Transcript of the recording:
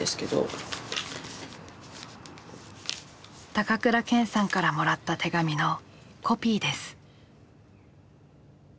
高倉健さんからもらった手紙のコピーです。